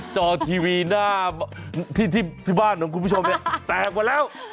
จอทีวีหน้าที่บ้านของคุณผู้ชมแตกว่าแล้ว